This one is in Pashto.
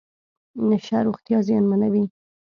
نشه روغتیا زیانمنوي .